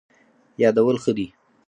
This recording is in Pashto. یادول ښه دی.